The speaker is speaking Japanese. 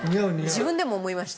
自分でも思いました。